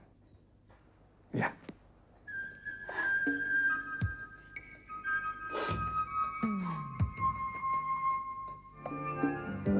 apa yang terbaik yang bisa kita lakukan ya